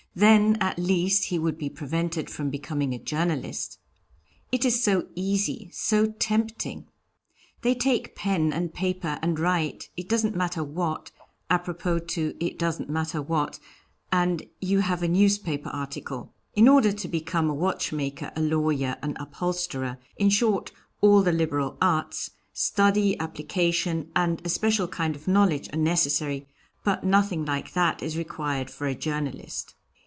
Then, at least, he would be prevented from becoming a journalist. It is so easy, so tempting. They take pen and paper and write, it doesn't matter what, apropos to it doesn't matter what, and you have a newspaper article. In order to become a watchmaker, a lawyer, an upholsterer, in short, all the liberal arts, study, application, and a special kind of knowledge are necessary; but nothing like that is required for a journalist."